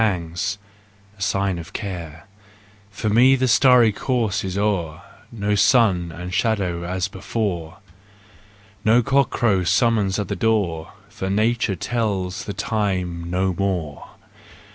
JEST, RUSE AND REVENGE 25 For me the starry course is o'er, No sun and shadow as before, No cockcrow summons at the door. For nature tells the time no more!